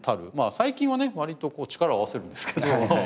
最近はね割と力を合わせるんですけど。